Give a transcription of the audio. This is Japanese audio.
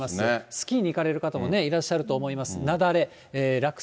スキーに行かれる方もいらっしゃると思います。